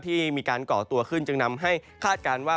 ที่มีการก่อตัวขึ้นจึงนำให้คาดการณ์ว่า